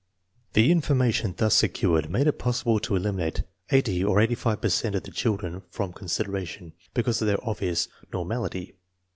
The inf onnation thus secured made it possible to eliminate eighty or eighty five per cent of the children from consideration, because of their obvious normal ity.